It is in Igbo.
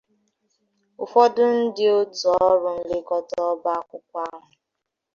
ụfọdụ ndị òtù ọrụ nlekọta ọba akwụkwọ ahụ